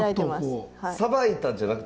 さばいたんじゃなくて解剖した？